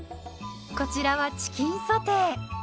こちらはチキンソテー。